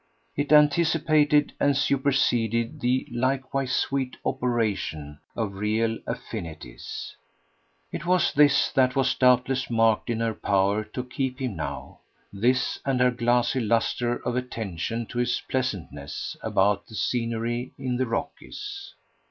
It anticipated and superseded the likewise sweet operation of real affinities. It was this that was doubtless marked in her power to keep him now this and her glassy lustre of attention to his pleasantness about the scenery in the Rockies.